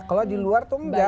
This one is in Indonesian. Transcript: kalau di luar tuh enggak